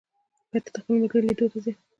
که ته د خپل ملګري لیدو ته ځې،